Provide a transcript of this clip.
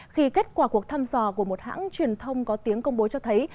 khi kết quả cuộc thăm dò của một hãng truyền thông có tiếng công bố cho thấy